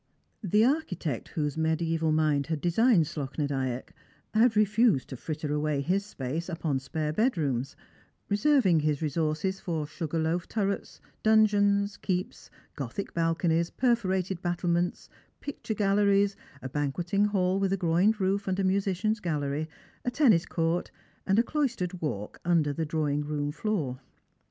The architect whose InedifBval mind had designed Slogh '*" Dyack had refused to 272 Strangers and Pilgrims, fritter away iiis space upon spais bedrooms, reserving his re« sources for sugar loaf turrets, donjons, keeps, gothic balconies, perforated battlements, picture galleries, a banqoeting ball with a groined roof and a musicians' gallery, a tennis court, and a cloistered walk under the drawing room floor.